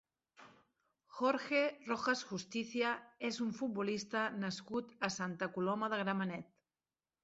Jorge Rojas Justicia és un futbolista nascut a Santa Coloma de Gramenet.